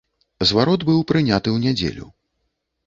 Зварот быў прыняты ў нядзелю.